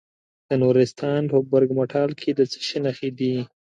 د نورستان په برګ مټال کې د څه شي نښې دي؟